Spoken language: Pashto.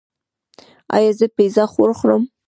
ایا زه پیزا وخورم؟